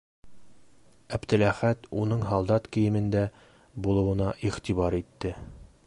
Әптеләхәт уның һалдат кейемендә булыуына иғтибар итте.